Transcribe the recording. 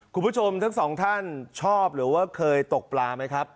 คุณผู้ชมทั้งสองท่านชอบหรือว่าเคยตกปลาไหมครับ